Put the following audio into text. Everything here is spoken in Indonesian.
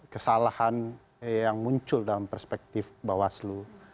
kesalahan yang muncul dalam perspektif bawaslu